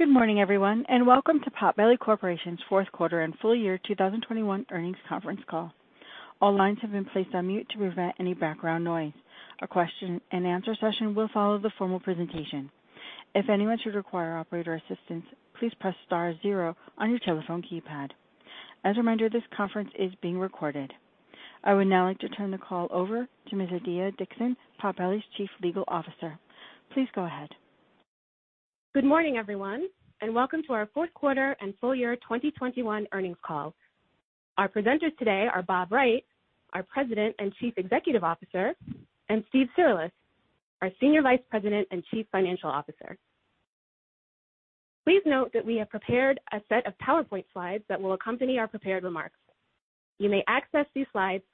Good morning, everyone, and welcome to Potbelly Corporation's fourth quarter and full year 2021 earnings conference call. All lines have been placed on mute to prevent any background noise. A question and answer session will follow the formal presentation. If anyone should require operator assistance, please press star zero on your telephone keypad. As a reminder, this conference is being recorded. I would now like to turn the call over to Ms. Adiya Dixon, Potbelly's Chief Legal Officer. Please go ahead. Good morning, everyone, and welcome to our fourth quarter and full year 2021 earnings call. Our presenters today are Bob Wright, our President and Chief Executive Officer, and Steve Cirulis, our Senior Vice President and Chief Financial Officer. Please note that we have prepared a set of PowerPoint slides that will accompany our prepared remarks. You may access these slides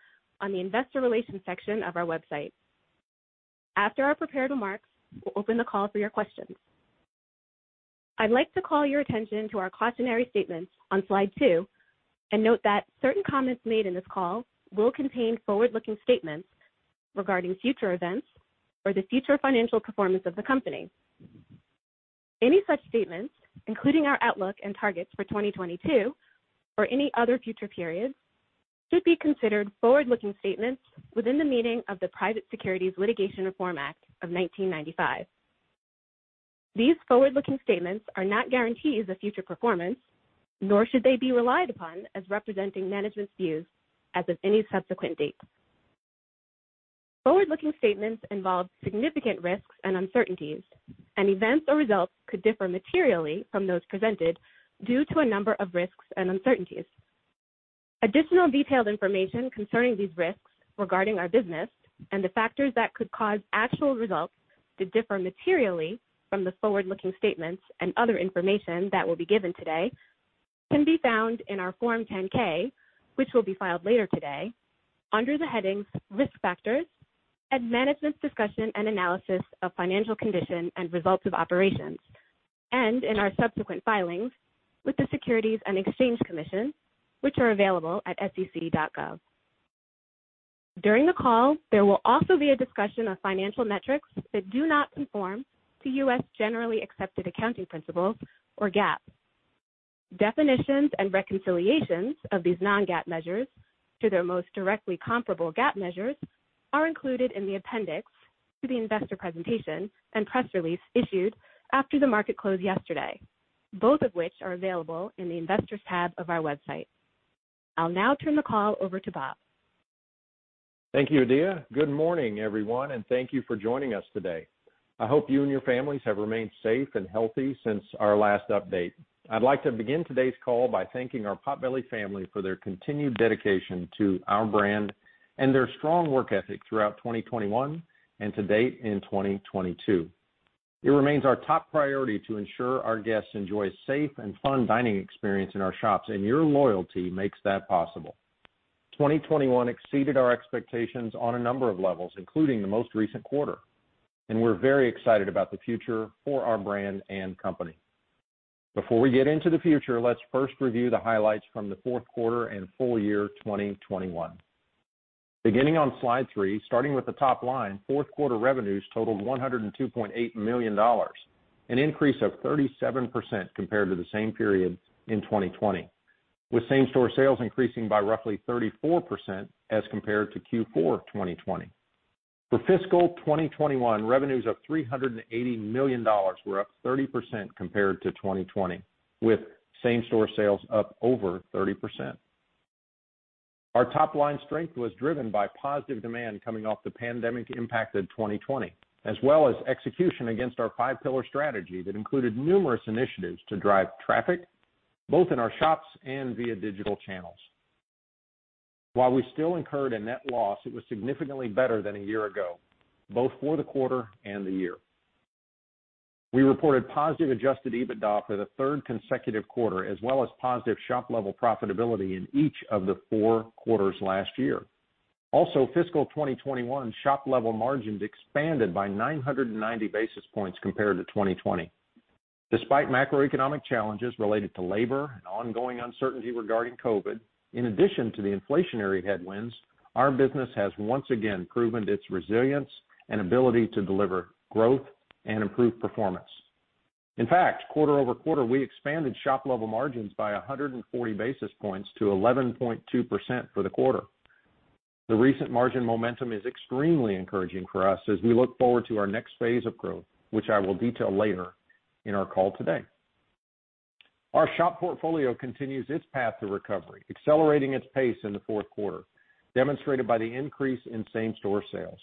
on the investor relations section of our website. After our prepared remarks, we'll open the call for your questions. I'd like to call your attention to our cautionary statements on slide two and note that certain comments made in this call will contain forward-looking statements regarding future events or the future financial performance of the company. Any such statements, including our outlook and targets for 2022 or any other future periods, should be considered forward-looking statements within the meaning of the Private Securities Litigation Reform Act of 1995. These forward-looking statements are not guarantees of future performance, nor should they be relied upon as representing management's views as of any subsequent date. Forward-looking statements involve significant risks and uncertainties, and events or results could differ materially from those presented due to a number of risks and uncertainties. Additional detailed information concerning these risks regarding our business and the factors that could cause actual results to differ materially from the forward-looking statements and other information that will be given today can be found in our Form 10-K, which will be filed later today under the headings Risk Factors and Management's Discussion and Analysis of Financial Condition and Results of Operations, and in our subsequent filings with the Securities and Exchange Commission, which are available at sec.gov. During the call, there will also be a discussion of financial metrics that do not conform to U.S. Generally Accepted Accounting Principles or GAAP. Definitions and reconciliations of these non-GAAP measures to their most directly comparable GAAP measures are included in the appendix to the investor presentation and press release issued after the market closed yesterday, both of which are available in the Investors tab of our website. I'll now turn the call over to Bob. Thank you, Adiya. Good morning, everyone, and thank you for joining us today. I hope you and your families have remained safe and healthy since our last update. I'd like to begin today's call by thanking our Potbelly family for their continued dedication to our brand and their strong work ethic throughout 2021 and to date in 2022. It remains our top priority to ensure our guests enjoy a safe and fun dining experience in our shops, and your loyalty makes that possible. 2021 exceeded our expectations on a number of levels, including the most recent quarter, and we're very excited about the future for our brand and company. Before we get into the future, let's first review the highlights from the fourth quarter and full year 2021. Beginning on slide three, starting with the top line, fourth quarter revenues totaled $102.8 million, an increase of 37% compared to the same period in 2020, with same-store sales increasing by roughly 34% as compared to Q4 2020. For fiscal 2021, revenues of $380 million were up 30% compared to 2020, with same-store sales up over 30%. Our top-line strength was driven by positive demand coming off the pandemic impact of 2020, as well as execution against our Five-Pillar strategy that included numerous initiatives to drive traffic both in our shops and via digital channels. While we still incurred a net loss, it was significantly better than a year ago, both for the quarter and the year. We reported positive Adjusted EBITDA for the third consecutive quarter, as well as positive shop level profitability in each of the four quarters last year. Fiscal 2021 shop level margins expanded by 990 basis points compared to 2020. Despite macroeconomic challenges related to labor and ongoing uncertainty regarding COVID, in addition to the inflationary headwinds, our business has once again proven its resilience and ability to deliver growth and improved performance. In fact, quarter-over-quarter, we expanded shop level margins by 140 basis points to 11.2% for the quarter. The recent margin momentum is extremely encouraging for us as we look forward to our next phase of growth, which I will detail later in our call today. Our shop portfolio continues its path to recovery, accelerating its pace in the fourth quarter, demonstrated by the increase in same-store sales.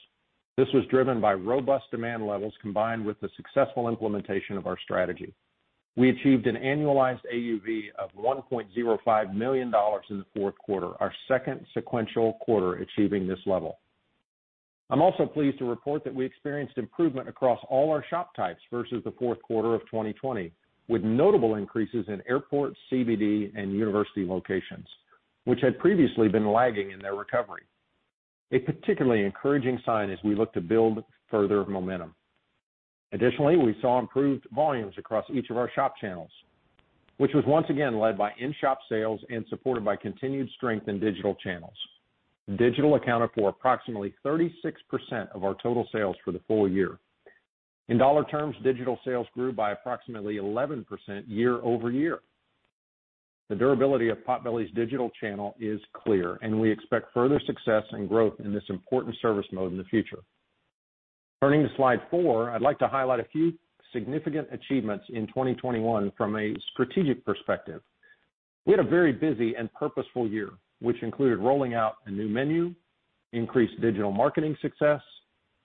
This was driven by robust demand levels combined with the successful implementation of our strategy. We achieved an annualized AUV of $1.05 million in the fourth quarter, our second sequential quarter achieving this level. I'm also pleased to report that we experienced improvement across all our shop types versus the fourth quarter of 2020, with notable increases in airport, CBD, and university locations, which had previously been lagging in their recovery. A particularly encouraging sign as we look to build further momentum. Additionally, we saw improved volumes across each of our shop channels, which was once again led by in-shop sales and supported by continued strength in digital channels. Digital accounted for approximately 36% of our total sales for the full year. In U.S. dollar terms, digital sales grew by approximately 11% year-over-year. The durability of Potbelly's digital channel is clear, and we expect further success and growth in this important service mode in the future. Turning to slide four, I'd like to highlight a few significant achievements in 2021 from a strategic perspective. We had a very busy and purposeful year, which included rolling out a new menu, increased digital marketing success,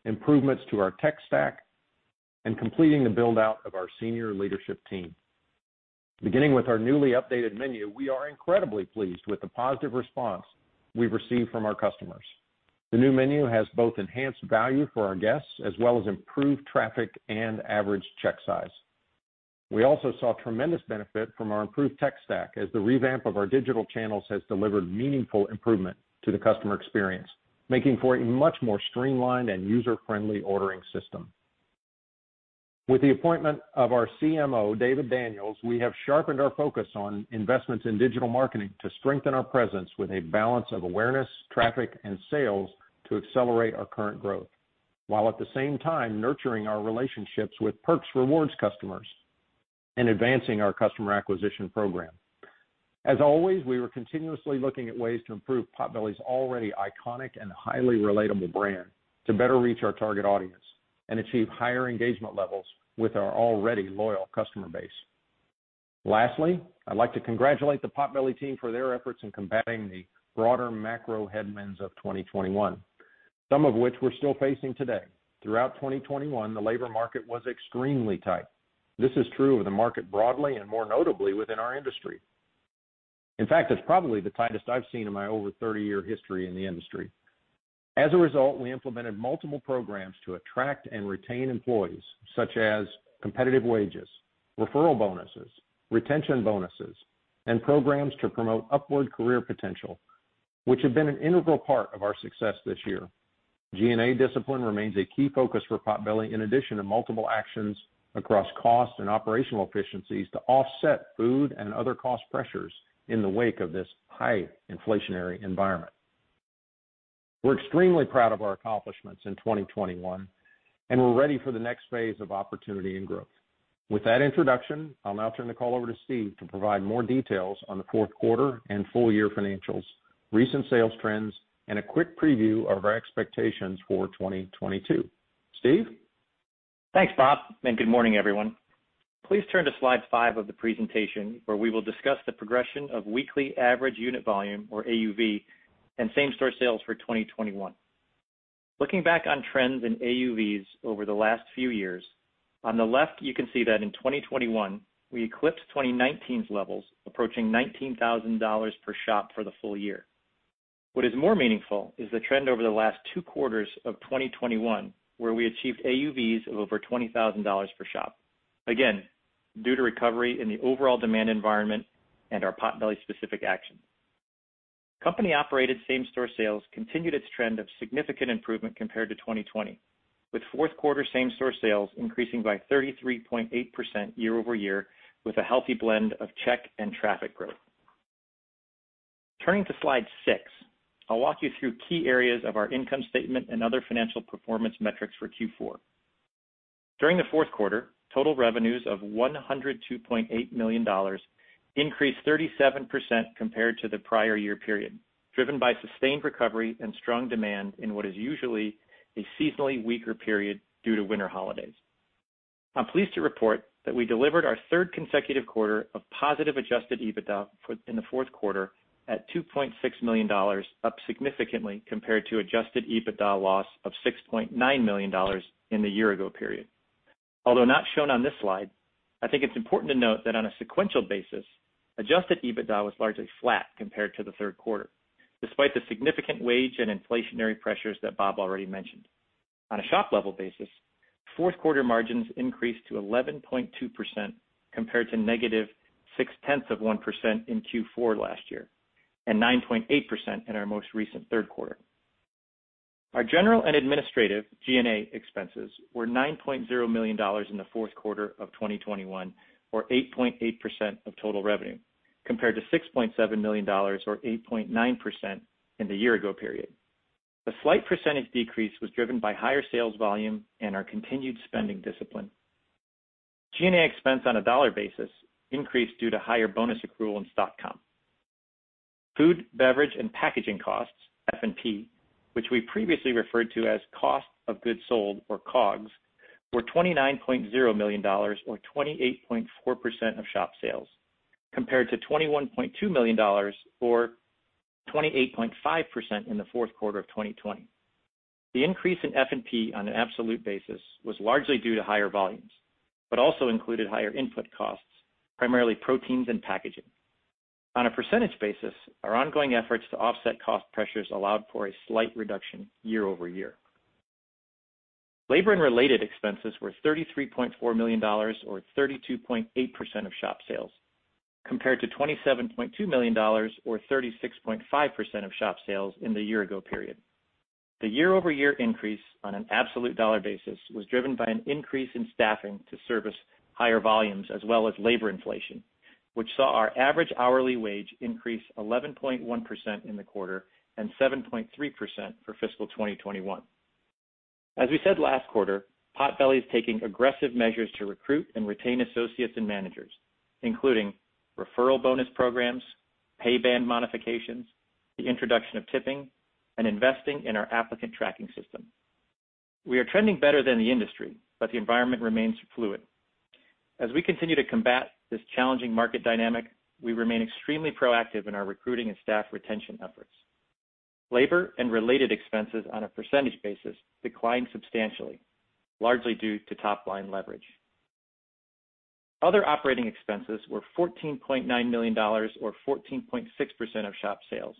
improvements to our tech stack, and completing the build-out of our senior leadership team. Beginning with our newly updated menu, we are incredibly pleased with the positive response we've received from our customers. The new menu has both enhanced value for our guests as well as improved traffic and average check size. We also saw tremendous benefit from our improved tech stack as the revamp of our digital channels has delivered meaningful improvement to the customer experience, making for a much more streamlined and user-friendly ordering system. With the appointment of our CMO, David Daniels, we have sharpened our focus on investments in digital marketing to strengthen our presence with a balance of awareness, traffic, and sales to accelerate our current growth while at the same time nurturing our relationships with Potbelly Perks rewards customers and advancing our customer acquisition program. As always, we are continuously looking at ways to improve Potbelly's already iconic and highly relatable brand to better reach our target audience and achieve higher engagement levels with our already loyal customer base. Lastly, I'd like to congratulate the Potbelly team for their efforts in combating the broader macro headwinds of 2021, some of which we're still facing today. Throughout 2021, the labor market was extremely tight. This is true of the market broadly and more notably within our industry. In fact, it's probably the tightest I've seen in my over 30-year history in the industry. As a result, we implemented multiple programs to attract and retain employees, such as competitive wages, referral bonuses, retention bonuses, and programs to promote upward career potential, which have been an integral part of our success this year. G&A discipline remains a key focus for Potbelly in addition to multiple actions across cost and operational efficiencies to offset food and other cost pressures in the wake of this high inflationary environment. We're extremely proud of our accomplishments in 2021, and we're ready for the next phase of opportunity and growth. With that introduction, I'll now turn the call over to Steve to provide more details on the fourth quarter and full year financials, recent sales trends, and a quick preview of our expectations for 2022. Steve? Thanks, Bob, and good morning, everyone. Please turn to slide five of the presentation, where we will discuss the progression of weekly Average Unit Volume or AUV and same-store sales for 2021. Looking back on trends in AUVs over the last few years, on the left you can see that in 2021, we eclipsed 2019's levels, approaching $19,000 per shop for the full year. What is more meaningful is the trend over the last two quarters of 2021, where we achieved AUVs of over $20,000 per shop. Again, due to recovery in the overall demand environment and our Potbelly specific action. Company-operated same-store sales continued its trend of significant improvement compared to 2020, with fourth quarter same-store sales increasing by 33.8% year-over-year with a healthy blend of check and traffic growth. Turning to slide six, I'll walk you through key areas of our income statement and other financial performance metrics for Q4. During the fourth quarter, total revenues of $102.8 million increased 37% compared to the prior year period, driven by sustained recovery and strong demand in what is usually a seasonally weaker period due to winter holidays. I'm pleased to report that we delivered our third consecutive quarter of positive Adjusted EBITDA in the fourth quarter at $2.6 million, up significantly compared to Adjusted EBITDA loss of $6.9 million in the year-ago period. Although not shown on this slide, I think it's important to note that on a sequential basis, Adjusted EBITDA was largely flat compared to the third quarter, despite the significant wage and inflationary pressures that Bob already mentioned. On a shop level basis, fourth quarter margins increased to 11.2% compared to -0.6% in Q4 last year and 9.8% in our most recent third quarter. Our general and administrative, G&A, expenses were $9.0 million in the fourth quarter of 2021 or 8.8% of total revenue, compared to $6.7 million or 8.9% in the year-ago period. The slight percentage decrease was driven by higher sales volume and our continued spending discipline. G&A expense on a dollar basis increased due to higher bonus accrual and stock comp. Food, beverage, and packaging costs, F&P, which we previously referred to as cost of goods sold or COGS, were $29.0 million or 28.4% of shop sales, compared to $21.2 million or 28.5% in the fourth quarter of 2020. The increase in F&P on an absolute basis was largely due to higher volumes but also included higher input costs, primarily proteins and packaging. On a percentage basis, our ongoing efforts to offset cost pressures allowed for a slight reduction year-over-year. Labor and related expenses were $33.4 million or 32.8% of shop sales, compared to $27.2 million or 36.5% of shop sales in the year-ago period. The year-over-year increase on an absolute dollar basis was driven by an increase in staffing to service higher volumes as well as labor inflation, which saw our average hourly wage increase 11.1% in the quarter and 7.3% for fiscal 2021. As we said last quarter, Potbelly is taking aggressive measures to recruit and retain associates and managers, including referral bonus programs, pay band modifications, the introduction of tipping, and investing in our applicant tracking system. We are trending better than the industry, but the environment remains fluid. As we continue to combat this challenging market dynamic, we remain extremely proactive in our recruiting and staff retention efforts. Labor and related expenses on a percentage basis declined substantially, largely due to top line leverage. Other operating expenses were $14.9 million or 14.6% of shop sales,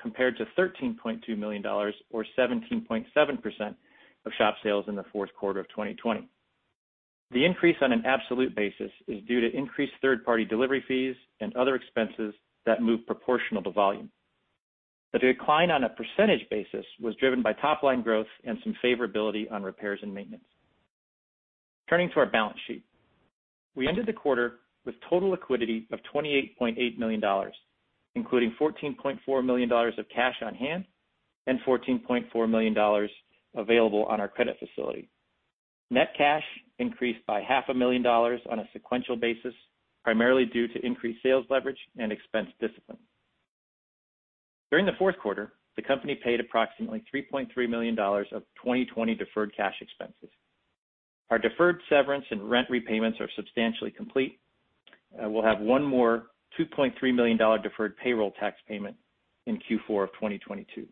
compared to $13.2 million or 17.7% of shop sales in the fourth quarter of 2020. The increase on an absolute basis is due to increased third-party delivery fees and other expenses that move proportional to volume. The decline on a percentage basis was driven by top line growth and some favorability on repairs and maintenance. Turning to our balance sheet. We ended the quarter with total liquidity of $28.8 million, including $14.4 million of cash on hand and $14.4 million available on our credit facility. Net cash increased by $500,000 on a sequential basis, primarily due to increased sales leverage and expense discipline. During the fourth quarter, the company paid approximately $3.3 million of 2020 deferred cash expenses. Our deferred severance and rent repayments are substantially complete. We'll have one more $2.3 million deferred payroll tax payment in Q4 of 2022.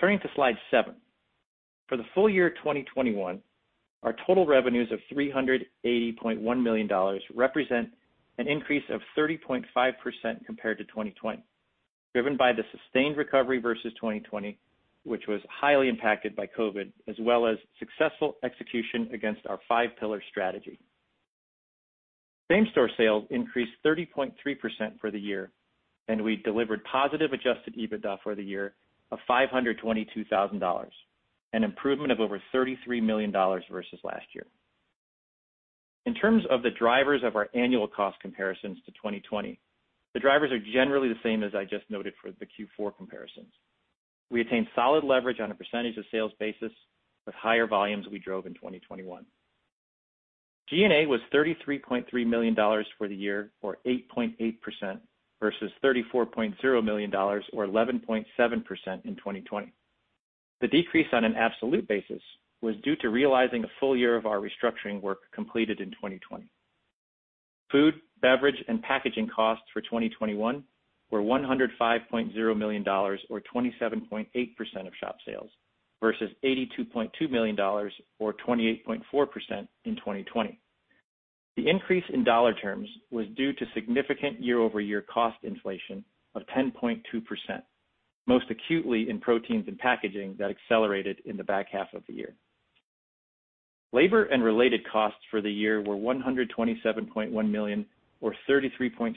Turning to slide seven. For the full year 2021, our total revenues of $380.1 million represent an increase of 30.5% compared to 2020, driven by the sustained recovery versus 2020, which was highly impacted by COVID, as well as successful execution against our Five-Pillar strategy. Same-store sales increased 30.3% for the year, and we delivered positive Adjusted EBITDA for the year of $522,000, an improvement of over $33 million versus last year. In terms of the drivers of our annual cost comparisons to 2020, the drivers are generally the same as I just noted for the Q4 comparisons. We attained solid leverage on a percentage of sales basis with higher volumes we drove in 2021. G&A was $33.3 million for the year or 8.8% versus $34.0 million or 11.7% in 2020. The decrease on an absolute basis was due to realizing a full year of our restructuring work completed in 2020. Food, beverage, and packaging costs for 2021 were $105.0 million or 27.8% of shop sales versus $82.2 million or 28.4% in 2020. The increase in dollar terms was due to significant year-over-year cost inflation of 10.2%, most acutely in proteins and packaging that accelerated in the back half of the year. Labor and related costs for the year were $127.1 million or 33.7%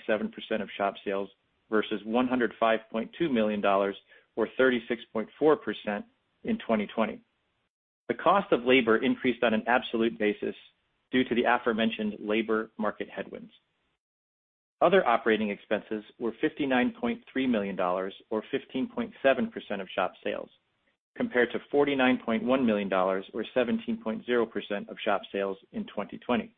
of shop sales versus $105.2 million or 36.4% in 2020. The cost of labor increased on an absolute basis due to the aforementioned labor market headwinds. Other operating expenses were $59.3 million or 15.7% of shop sales, compared to $49.1 million or 17.0% of shop sales in 2020.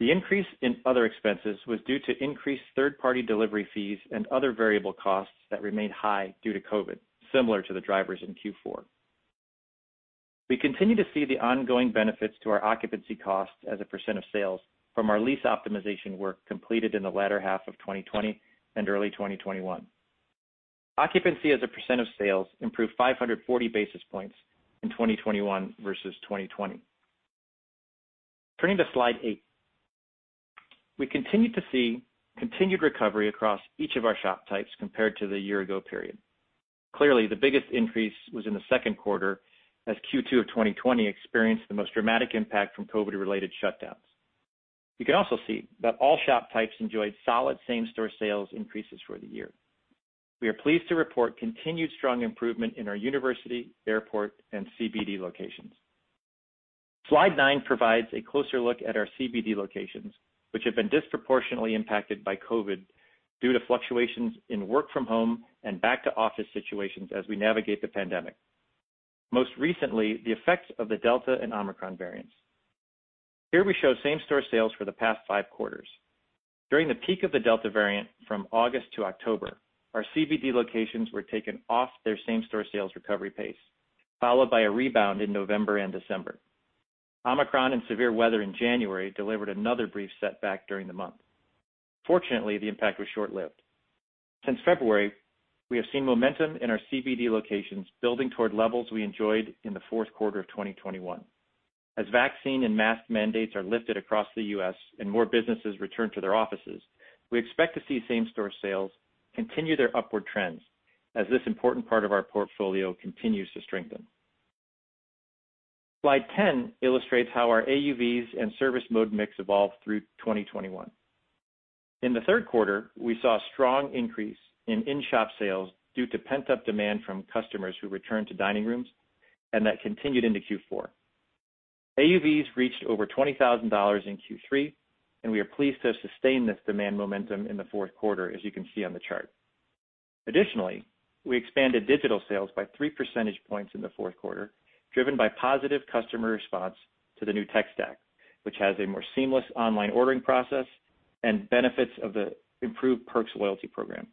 The increase in other expenses was due to increased third-party delivery fees and other variable costs that remained high due to COVID, similar to the drivers in Q4. We continue to see the ongoing benefits to our occupancy costs as a percent of sales from our lease optimization work completed in the latter half of 2020 and early 2021. Occupancy as a percent of sales improved 540 basis points in 2021 versus 2020. Turning to slide eight. We continued to see continued recovery across each of our shop types compared to the year ago period. Clearly, the biggest increase was in the second quarter as Q2 of 2020 experienced the most dramatic impact from COVID-related shutdowns. You can also see that all shop types enjoyed solid same-store sales increases for the year. We are pleased to report continued strong improvement in our university, airport, and CBD locations. Slide nine provides a closer look at our CBD locations, which have been disproportionately impacted by COVID due to fluctuations in work from home and back to office situations as we navigate the pandemic, most recently the effects of the Delta and Omicron variants. Here we show same-store sales for the past five quarters. During the peak of the Delta variant from August to October, our CBD locations were taken off their same-store sales recovery pace, followed by a rebound in November and December. Omicron and severe weather in January delivered another brief setback during the month. Fortunately, the impact was short-lived. Since February, we have seen momentum in our CBD locations building toward levels we enjoyed in the fourth quarter of 2021. As vaccine and mask mandates are lifted across the U.S. and more businesses return to their offices, we expect to see same-store sales continue their upward trends as this important part of our portfolio continues to strengthen. Slide 10 illustrates how our AUVs and service mode mix evolved through 2021. In the third quarter, we saw a strong increase in in-shop sales due to pent-up demand from customers who returned to dining rooms, and that continued into Q4. AUVs reached over $20,000 in Q3, and we are pleased to have sustained this demand momentum in the fourth quarter, as you can see on the chart. Additionally, we expanded digital sales by 3 percentage points in the fourth quarter, driven by positive customer response to the new tech stack, which has a more seamless online ordering process and benefits of the improved Perks loyalty program.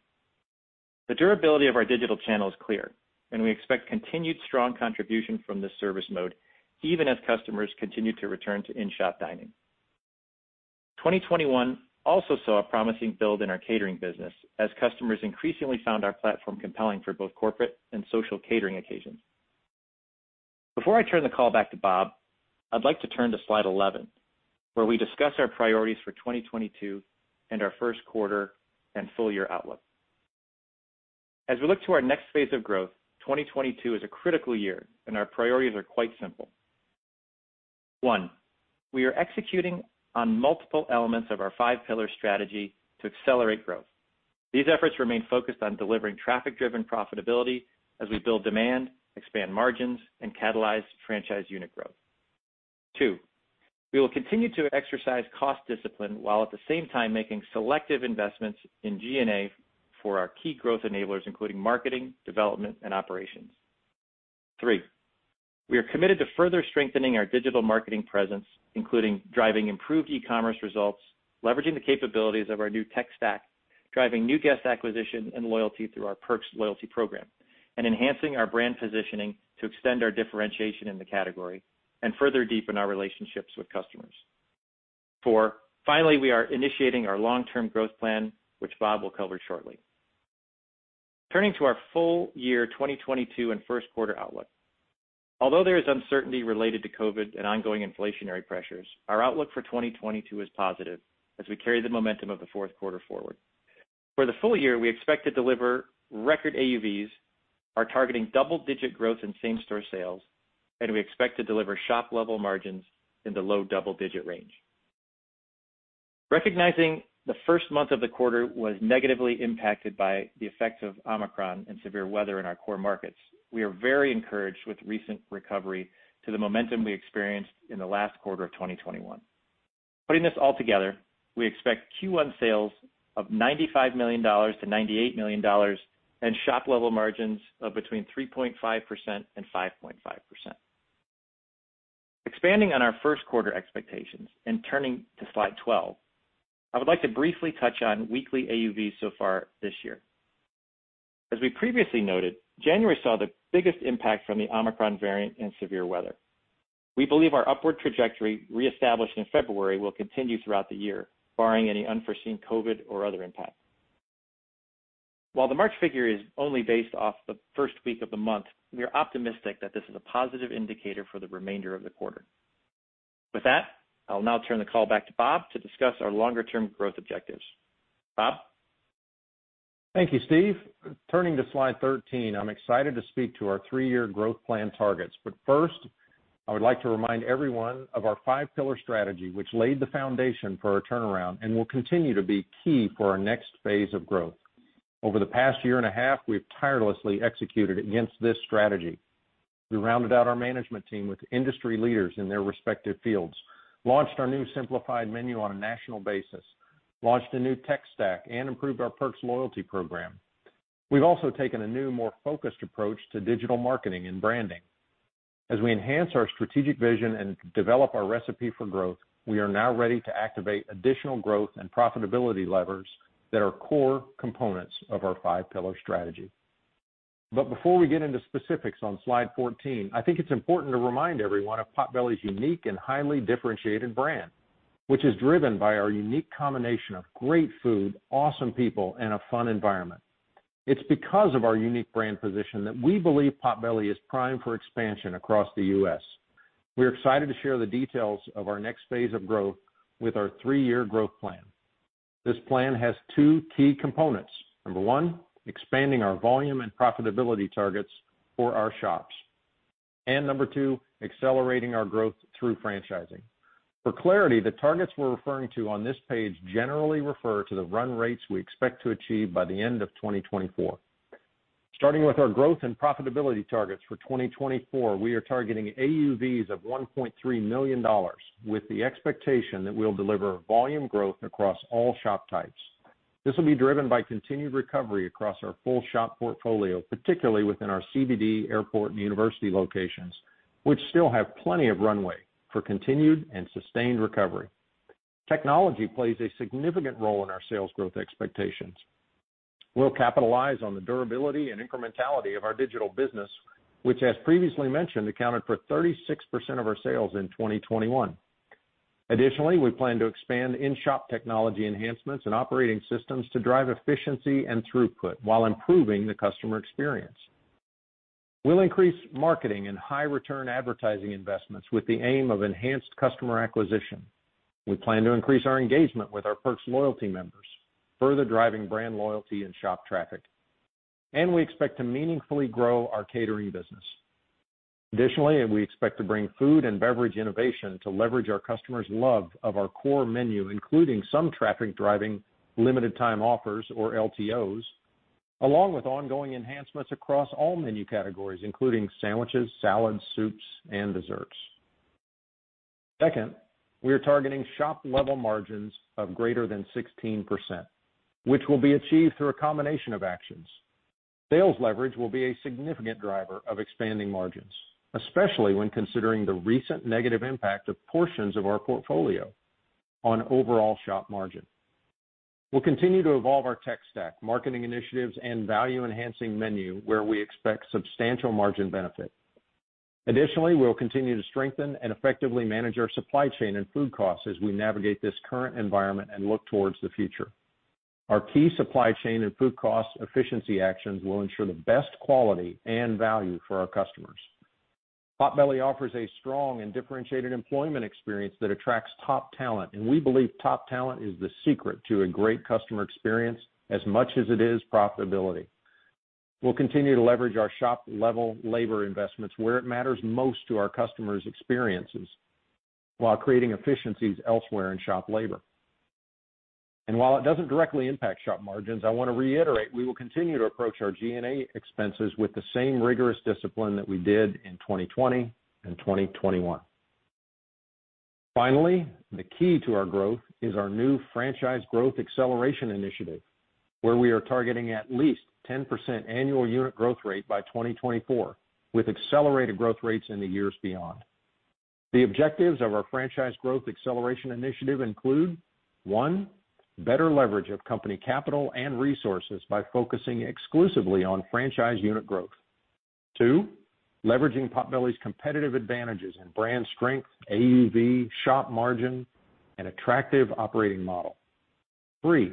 The durability of our digital channel is clear, and we expect continued strong contribution from this service mode even as customers continue to return to in-shop dining. 2021 also saw a promising build in our catering business as customers increasingly found our platform compelling for both corporate and social catering occasions. Before I turn the call back to Bob, I'd like to turn to slide 11, where we discuss our priorities for 2022 and our first quarter and full year outlook. As we look to our next phase of growth, 2022 is a critical year, and our priorities are quite simple. One, we are executing on multiple elements of our Five-Pillar strategy to accelerate growth. These efforts remain focused on delivering traffic-driven profitability as we build demand, expand margins, and catalyze franchise unit growth. Two, we will continue to exercise cost discipline while at the same time making selective investments in G&A for our key growth enablers, including marketing, development, and operations. Three, we are committed to further strengthening our digital marketing presence, including driving improved e-commerce results, leveraging the capabilities of our new tech stack, driving new guest acquisition and loyalty through our Perks loyalty program, and enhancing our brand positioning to extend our differentiation in the category and further deepen our relationships with customers. Four, finally, we are initiating our long-term growth plan, which Bob will cover shortly. Turning to our full year 2022 and first quarter outlook. Although there is uncertainty related to COVID and ongoing inflationary pressures, our outlook for 2022 is positive as we carry the momentum of the fourth quarter forward. For the full year, we expect to deliver record AUVs, are targeting double-digit growth in same-store sales, and we expect to deliver shop-level margins in the low double-digit range. Recognizing the first month of the quarter was negatively impacted by the effects of Omicron and severe weather in our core markets, we are very encouraged with recent recovery to the momentum we experienced in the last quarter of 2021. Putting this all together, we expect Q1 sales of $95 million-$98 million and shop-level margins of between 3.5% and 5.5%. Expanding on our first quarter expectations and turning to slide 12, I would like to briefly touch on weekly AUV so far this year. As we previously noted, January saw the biggest impact from the Omicron variant and severe weather. We believe our upward trajectory reestablished in February will continue throughout the year, barring any unforeseen COVID or other impact. While the March figure is only based off the first week of the month, we are optimistic that this is a positive indicator for the remainder of the quarter. With that, I'll now turn the call back to Bob to discuss our longer-term growth objectives. Bob? Thank you, Steve. Turning to slide 13, I'm excited to speak to our three-year growth plan targets. First, I would like to remind everyone of our Five-Pillar strategy which laid the foundation for our turnaround and will continue to be key for our next phase of growth. Over the past year and a half, we've tirelessly executed against this strategy. We rounded out our management team with industry leaders in their respective fields, launched our new simplified menu on a national basis, launched a new tech stack, and improved our Perks loyalty program. We've also taken a new, more focused approach to digital marketing and branding. As we enhance our strategic vision and develop our recipe for growth, we are now ready to activate additional growth and profitability levers that are core components of our five pillar strategy. Before we get into specifics on slide 14, I think it's important to remind everyone of Potbelly's unique and highly differentiated brand, which is driven by our unique combination of great food, awesome people, and a fun environment. It's because of our unique brand position that we believe Potbelly is primed for expansion across the U.S. We're excited to share the details of our next phase of growth with our three-year growth plan. This plan has two key components. Number one, expanding our volume and profitability targets for our shops. Number two, accelerating our growth through franchising. For clarity, the targets we're referring to on this page generally refer to the run rates we expect to achieve by the end of 2024. Starting with our growth and profitability targets for 2024, we are targeting AUVs of $1.3 million with the expectation that we'll deliver volume growth across all shop types. This will be driven by continued recovery across our full shop portfolio, particularly within our CBD, airport, and university locations, which still have plenty of runway for continued and sustained recovery. Technology plays a significant role in our sales growth expectations. We'll capitalize on the durability and incrementality of our digital business, which, as previously mentioned, accounted for 36% of our sales in 2021. Additionally, we plan to expand in-shop technology enhancements and operating systems to drive efficiency and throughput while improving the customer experience. We'll increase marketing and high return advertising investments with the aim of enhanced customer acquisition. We plan to increase our engagement with our Perks loyalty members, further driving brand loyalty and shop traffic. We expect to meaningfully grow our catering business. Additionally, we expect to bring food and beverage innovation to leverage our customers' love of our core menu, including some traffic driving limited-time offers, or LTOs, along with ongoing enhancements across all menu categories, including sandwiches, salads, soups, and desserts. Second, we are targeting shop level margins of greater than 16%, which will be achieved through a combination of actions. Sales leverage will be a significant driver of expanding margins, especially when considering the recent negative impact of portions of our portfolio on overall shop margin. We'll continue to evolve our tech stack, marketing initiatives, and value-enhancing menu, where we expect substantial margin benefit. We'll continue to strengthen and effectively manage our supply chain and food costs as we navigate this current environment and look towards the future. Our key supply chain and food cost efficiency actions will ensure the best quality and value for our customers. Potbelly offers a strong and differentiated employment experience that attracts top talent, and we believe top talent is the secret to a great customer experience as much as it is profitability. We'll continue to leverage our shop level labor investments where it matters most to our customers' experiences while creating efficiencies elsewhere in shop labor. While it doesn't directly impact shop margins, I want to reiterate, we will continue to approach our G&A expenses with the same rigorous discipline that we did in 2020 and 2021. Finally, the key to our growth is our new Franchise Growth Acceleration initiative, where we are targeting at least 10% annual unit growth rate by 2024, with accelerated growth rates in the years beyond. The objectives of our franchise growth acceleration initiative include, one, better leverage of company capital and resources by focusing exclusively on franchise unit growth. Two, leveraging Potbelly's competitive advantages in brand strength, AUV, shop margin, and attractive operating model. Three,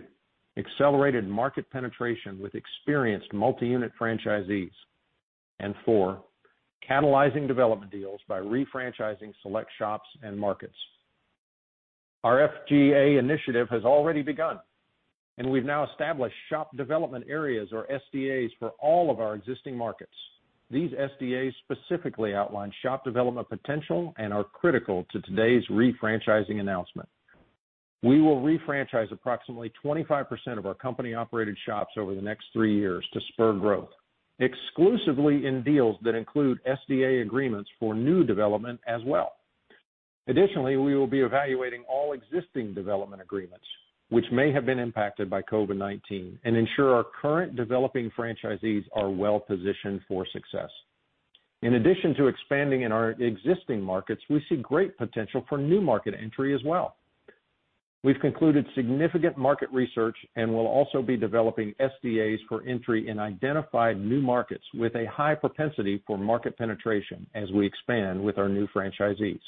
accelerated market penetration with experienced multi-unit franchisees. And four, catalyzing development deals by refranchising select shops and markets. Our FGA initiative has already begun, and we've now established Shop Development Areas or SDAs for all of our existing markets. These SDAs specifically outline shop development potential and are critical to today's refranchising announcement. We will refranchise approximately 25% of our company-operated shops over the next three years to spur growth, exclusively in deals that include SDA agreements for new development as well. Additionally, we will be evaluating all existing development agreements, which may have been impacted by COVID-19 and ensure our current developing franchisees are well-positioned for success. In addition to expanding in our existing markets, we see great potential for new market entry as well. We've concluded significant market research and will also be developing SDAs for entry in identified new markets with a high propensity for market penetration as we expand with our new franchisees.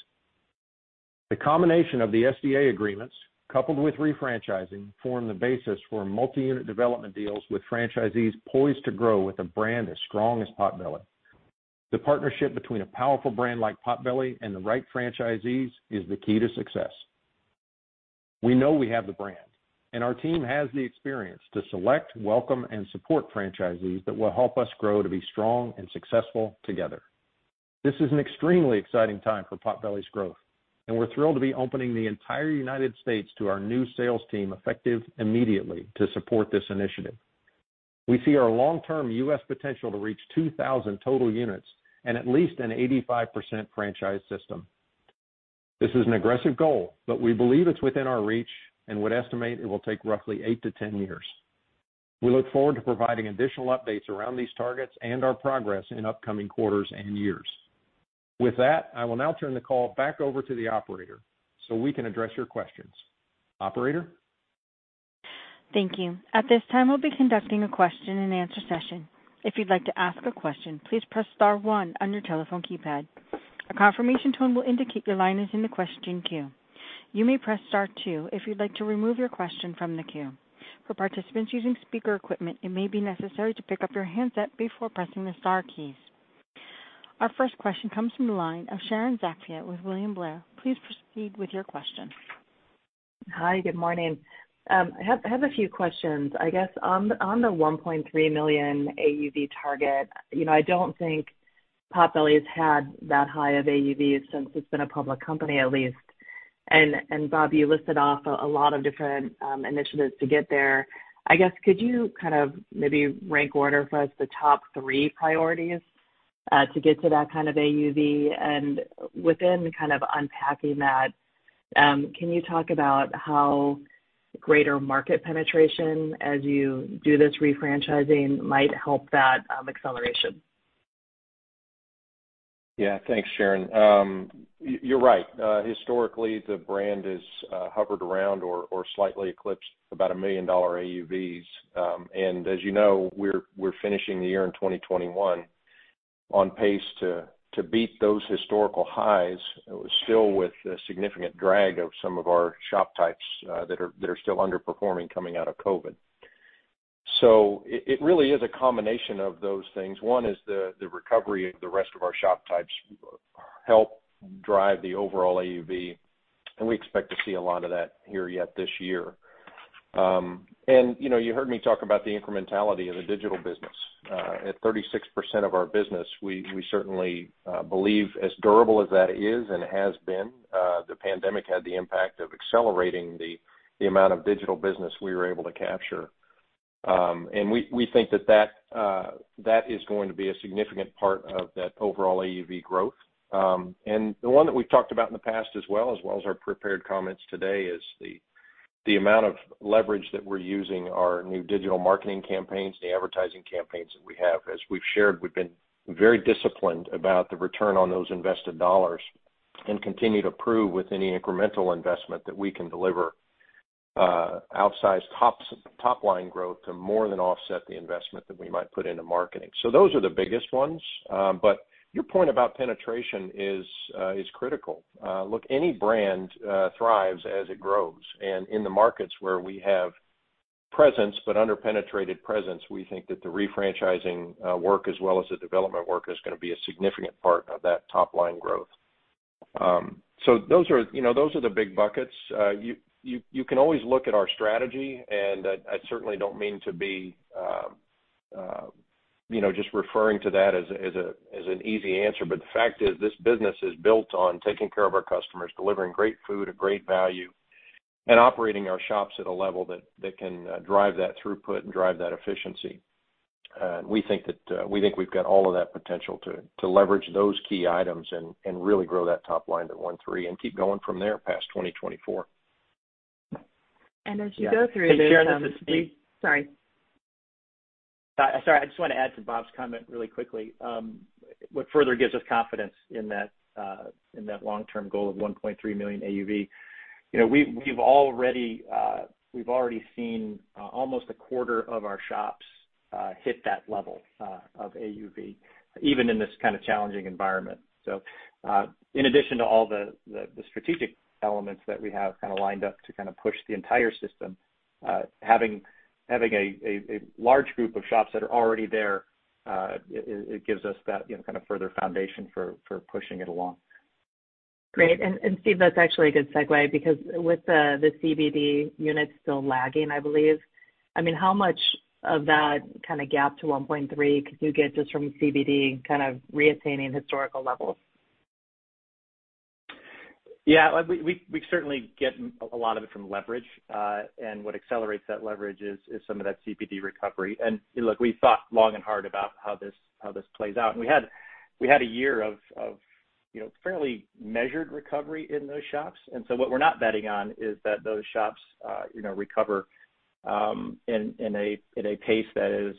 The combination of the SDA agreements, coupled with refranchising, form the basis for multi-unit development deals with franchisees poised to grow with a brand as strong as Potbelly. The partnership between a powerful brand like Potbelly and the right franchisees is the key to success. We know we have the brand, and our team has the experience to select, welcome, and support franchisees that will help us grow to be strong and successful together. This is an extremely exciting time for Potbelly's growth, and we're thrilled to be opening the entire United States to our new sales team, effective immediately to support this initiative. We see our long-term U.S. potential to reach 2,000 total units and at least an 85% franchise system. This is an aggressive goal, but we believe it's within our reach and would estimate it will take roughly 8-10 years. We look forward to providing additional updates around these targets and our progress in upcoming quarters and years. With that, I will now turn the call back over to the operator so we can address your questions. Operator? Thank you. At this time, we'll be conducting a question-and-answer session. If you'd like to ask a question, please press star one on your telephone keypad. A confirmation tone will indicate your line is in the question queue. You may press star two if you'd like to remove your question from the queue. For participants using speaker equipment, it may be necessary to pick up your handset before pressing the star keys. Our first question comes from the line of Sharon Zackfia with William Blair. Please proceed with your question. Hi, good morning. I have a few questions. I guess on the $1.3 million AUV target, you know, I don't think Potbelly has had that high of AUV since it's been a public company at least. Bob, you listed off a lot of different initiatives to get there. I guess could you kind of maybe rank order for us the top three priorities to get to that kind of AUV? Within kind of unpacking that, can you talk about how greater market penetration as you do this refranchising might help that acceleration? Yeah. Thanks, Sharon. You're right. Historically, the brand has hovered around or slightly eclipsed about $1 million AUVs. And as you know, we're finishing the year in 2021 on pace to beat those historical highs, still with a significant drag of some of our shop types that are still underperforming coming out of COVID. It really is a combination of those things. One is the recovery of the rest of our shop types help drive the overall AUV, and we expect to see a lot of that here yet this year. You know, you heard me talk about the incrementality of the digital business. At 36% of our business, we certainly believe as durable as that is and has been, the pandemic had the impact of accelerating the amount of digital business we were able to capture. We think that that is going to be a significant part of that overall AUV growth. The one that we've talked about in the past as well as our prepared comments today is the amount of leverage that we're using our new digital marketing campaigns, the advertising campaigns that we have. As we've shared, we've been very disciplined about the return on those invested dollars and continue to prove with any incremental investment that we can deliver outsized top line growth to more than offset the investment that we might put into marketing. Those are the biggest ones. Your point about penetration is critical. Look, any brand thrives as it grows. In the markets where we have presence, but under-penetrated presence, we think that the refranchising work as well as the development work is gonna be a significant part of that top line growth. Those are, you know, those are the big buckets. You can always look at our strategy, and I certainly don't mean to be, you know, just referring to that as an easy answer. The fact is this business is built on taking care of our customers, delivering great food at great value, and operating our shops at a level that can drive that throughput and drive that efficiency. We think we've got all of that potential to leverage those key items and really grow that top line to $1.3 million and keep going from there past 2024. As you go through this. Hey, Sharon, this is Steve. Sorry. Sorry. I just wanna add to Bob's comment really quickly. What further gives us confidence in that long-term goal of $1.3 million AUV. You know, we've already seen almost a quarter of our shops hit that level of AUV, even in this kind of challenging environment. In addition to all the strategic elements that we have kind of lined up to kind of push the entire system, having a large group of shops that are already there, it gives us that, you know, kind of further foundation for pushing it along. Great. Steve, that's actually a good segue because with the CBD units still lagging, I believe, I mean, how much of that kind of gap to $1.3 million could you get just from CBD kind of reattaining historical levels? Yeah. We certainly get a lot of it from leverage. What accelerates that leverage is some of that CBD recovery. Look, we thought long and hard about how this plays out. We had a year of you know, fairly measured recovery in those shops. What we're not betting on is that those shops you know, recover at a pace that is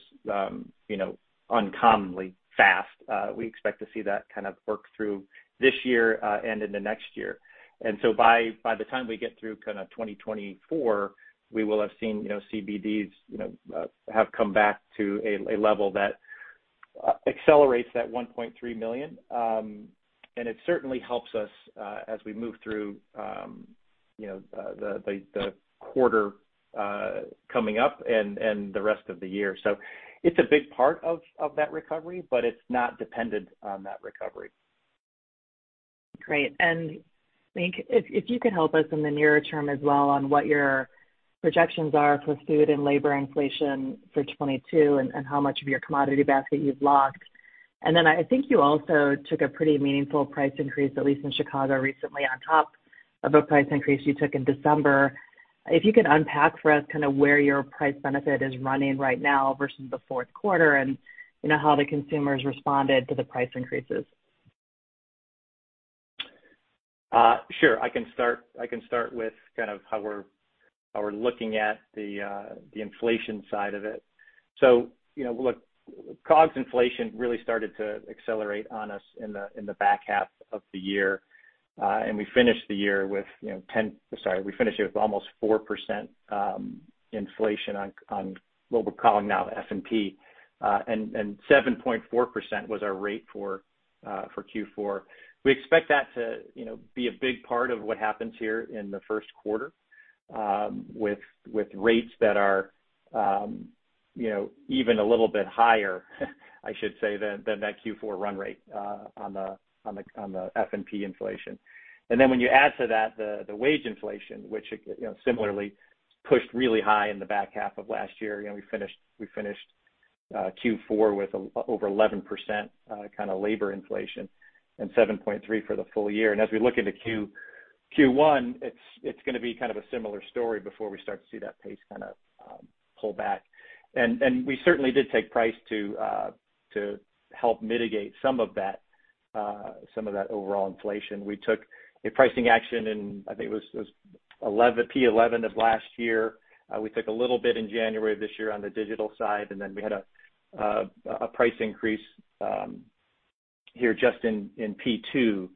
you know, uncommonly fast. We expect to see that kind of work through this year and into next year. By the time we get through kind of 2024, we will have seen you know, CBDs you know, have come back to a level that accelerates that $1.3 million. It certainly helps us as we move through you know the quarter coming up and the rest of the year. It's a big part of that recovery, but it's not dependent on that recovery. Great. I think if you could help us in the nearer term as well on what your projections are for food and labor inflation for 2022 and how much of your commodity basket you've locked. Then I think you also took a pretty meaningful price increase, at least in Chicago recently, on top of a price increase you took in December. If you could unpack for us kind of where your price benefit is running right now versus the fourth quarter and, you know, how the consumers responded to the price increases. Sure. I can start with kind of how we're looking at the inflation side of it. You know, look, COGS inflation really started to accelerate on us in the back half of the year. We finished the year with almost 4% inflation on what we're calling now the F&P. 7.4% was our rate for Q4. We expect that to be a big part of what happens here in the first quarter, with rates that are even a little bit higher, I should say, than that Q4 run rate on the F&P inflation. Then when you add to that, the wage inflation, which, you know, similarly pushed really high in the back half of last year. You know, we finished Q4 with over 11% kind of labor inflation and 7.3% for the full year. As we look into Q1, it's gonna be kind of a similar story before we start to see that pace kind of pull back. We certainly did take price to help mitigate some of that overall inflation. We took a pricing action in, I think it was P11 of last year. We took a little bit in January of this year on the digital side, and then we had a price increase here just in Q2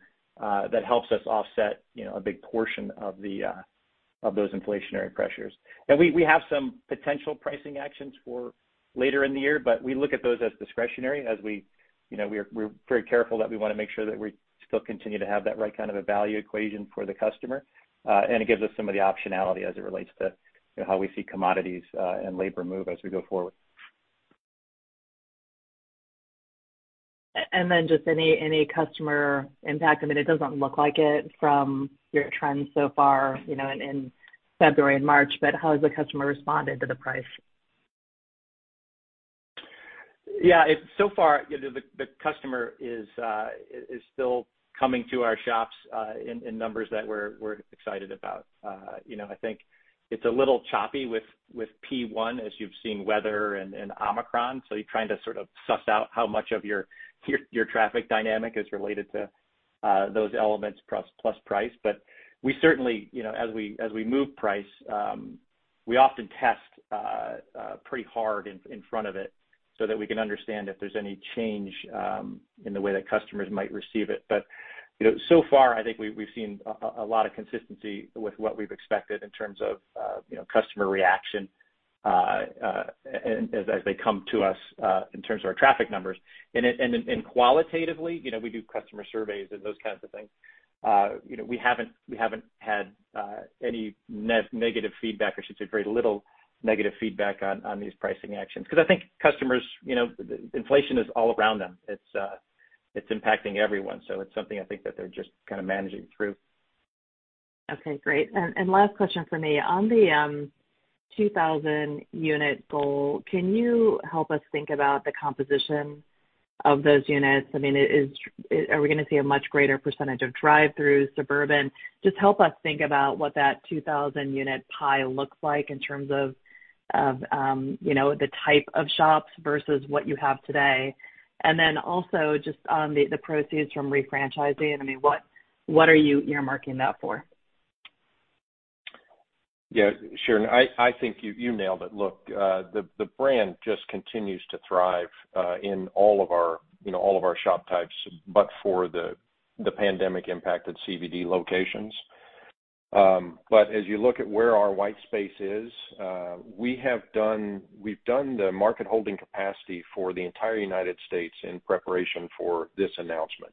that helps us offset, you know, a big portion of those inflationary pressures. We have some potential pricing actions for later in the year, but we look at those as discretionary. As we, you know, we are very careful that we wanna make sure that we still continue to have that right kind of a value equation for the customer. It gives us some of the optionality as it relates to, you know, how we see commodities and labor move as we go forward. Just any customer impact. I mean, it doesn't look like it from your trends so far, you know, in February and March, but how has the customer responded to the price? Yeah. So far, you know, the customer is still coming to our shops in numbers that we're excited about. You know, I think it's a little choppy with Q1 as you've seen weather and Omicron, so you're trying to sort of suss out how much of your traffic dynamic is related to those elements plus price. We certainly, you know, as we move price, we often test pretty hard in front of it so that we can understand if there's any change in the way that customers might receive it. You know, so far I think we've seen a lot of consistency with what we've expected in terms of, you know, customer reaction, and as they come to us, in terms of our traffic numbers. Qualitatively, you know, we do customer surveys and those kinds of things. You know, we haven't had any negative feedback or should say very little negative feedback on these pricing actions. 'Cause I think customers, you know, the inflation is all around them. It's impacting everyone, so it's something I think that they're just kinda managing through. Okay. Great. Last question from me. On the 2,000-unit goal, can you help us think about the composition of those units? I mean, are we gonna see a much greater percentage of drive-throughs, suburban? Just help us think about what that 2,000-unit pie looks like in terms of, you know, the type of shops versus what you have today. Then also just on the proceeds from refranchising. I mean, what are you earmarking that for? Yeah. Sharon, I think you nailed it. Look, the brand just continues to thrive in all of our shop types, but for the pandemic impacted CBD locations. As you look at where our white space is, we've done the market holding capacity for the entire United States in preparation for this announcement.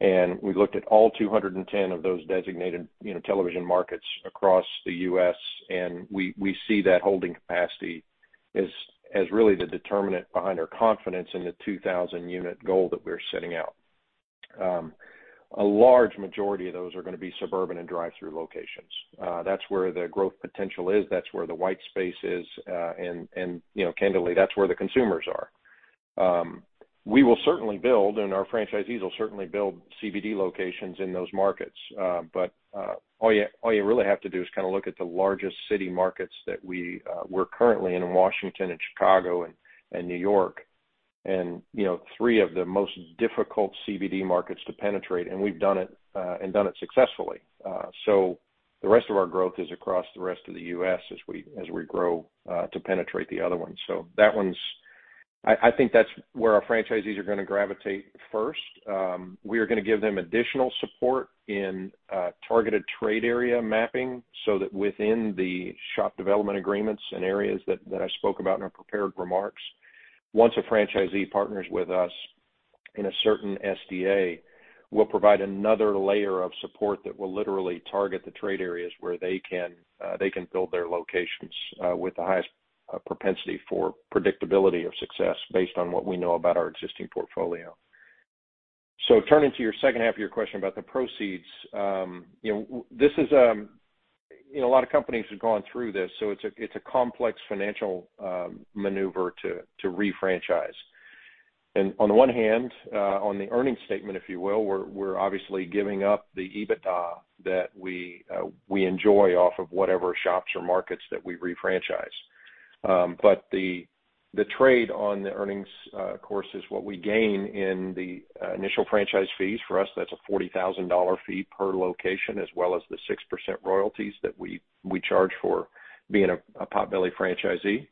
We looked at all 210 of those designated television markets across the U.S., and we see that holding capacity as really the determinant behind our confidence in the 2,000-unit goal that we're setting out. A large majority of those are gonna be suburban and drive-through locations. That's where the growth potential is, that's where the white space is, and, you know, candidly, that's where the consumers are. We will certainly build, and our franchisees will certainly build CBD locations in those markets. But all you really have to do is kinda look at the largest city markets that we're currently in Washington and Chicago and New York. You know, three of the most difficult CBD markets to penetrate, and we've done it and done it successfully. The rest of our growth is across the rest of the U.S. as we grow to penetrate the other ones. I think that's where our franchisees are gonna gravitate first. We are gonna give them additional support in targeted trade area mapping so that within the shop development agreements in areas that I spoke about in our prepared remarks, once a franchisee partners with us in a certain SDA, we'll provide another layer of support that will literally target the trade areas where they can build their locations with the highest propensity for predictability of success based on what we know about our existing portfolio. Turning to your second half of your question about the proceeds. You know, this is, you know, a lot of companies have gone through this, so it's a complex financial maneuver to refranchise. On the one hand, on the earnings statement, if you will, we're obviously giving up the EBITDA that we enjoy off of whatever shops or markets that we refranchise. But the trade on the earnigns, of course, is what we gain in the initial franchise fees. For us, that's a $40,000 fee per location, as well as the 6% royalties that we charge for being a Potbelly franchisee.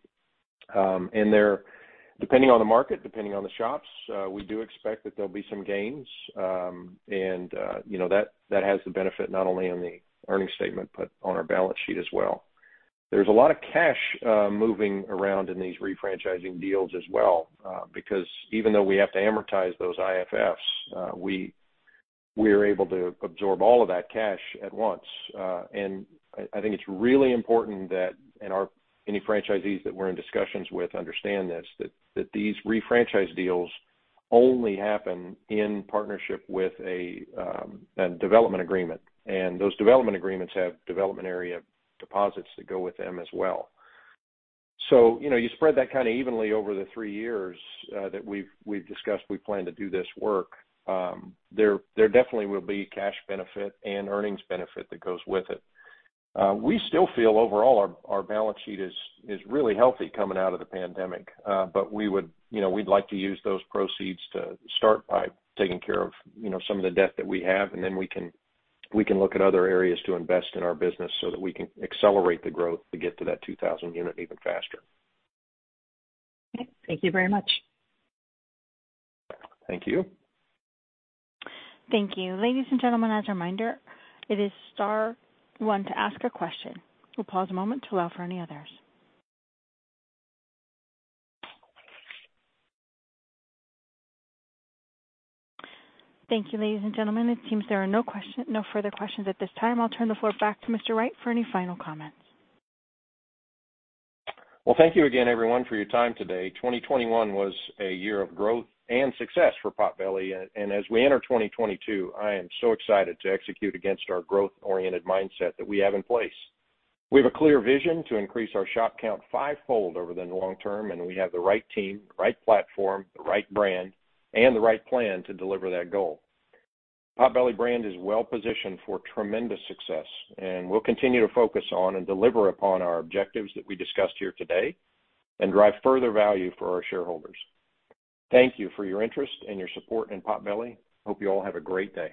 Depending on the market, depending on the shops, we do expect that there'll be some gains. You know, that has the benefit not only on the earnings statement but on our balance sheet as well. There's a lot of cash moving around in these refranchising deals as well, because even though we have to amortize those IFFs, we are able to absorb all of that cash at once. I think it's really important that any franchisees that we're in discussions with understand this, that these refranchise deals only happen in partnership with a development agreement. Those development agreements have development area deposits that go with them as well. You know, you spread that kinda evenly over the three years that we've discussed we plan to do this work. There definitely will be cash benefit and earnings benefit that goes with it. We still feel overall our balance sheet is really healthy coming out of the pandemic. We would, you know, we'd like to use those proceeds to start by taking care of, you know, some of the debt that we have, and then we can look at other areas to invest in our business so that we can accelerate the growth to get to that 2,000-unit even faster. Okay. Thank you very much. Thank you. Thank you. Ladies and gentlemen, as a reminder, it is star one to ask a question. We'll pause a moment to allow for any others. Thank you, ladies and gentlemen. It seems there are no further questions at this time. I'll turn the floor back to Mr. Wright for any final comments. Well, thank you again, everyone, for your time today. 2021 was a year of growth and success for Potbelly. As we enter 2022, I am so excited to execute against our growth-oriented mindset that we have in place. We have a clear vision to increase our shop count fivefold over the long term, and we have the right team, the right platform, the right brand, and the right plan to deliver that goal. Potbelly brand is well positioned for tremendous success, and we'll continue to focus on and deliver upon our objectives that we discussed here today and drive further value for our shareholders. Thank you for your interest and your support in Potbelly. Hope you all have a great day.